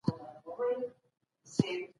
موږ به سبا په دي وخت کي په کار کي یو.